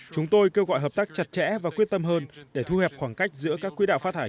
chúng tôi kêu gọi hợp tác chặt chẽ và quyết tâm hơn để thu hẹp khoảng cách giữa các quỹ đạo phát thải